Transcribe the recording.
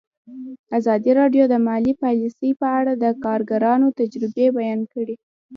ازادي راډیو د مالي پالیسي په اړه د کارګرانو تجربې بیان کړي.